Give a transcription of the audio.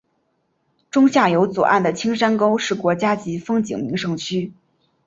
中下游左岸的青山沟是国家级风景名胜区。